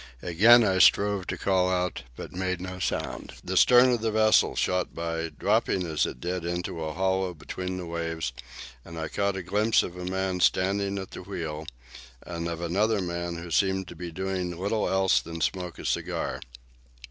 Again I strove to call out, but made no sound. The stern of the vessel shot by, dropping, as it did so, into a hollow between the waves; and I caught a glimpse of a man standing at the wheel, and of another man who seemed to be doing little else than smoke a cigar.